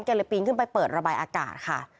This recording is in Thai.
เลยปีนขึ้นไปเปิดระบายอากาศค่ะ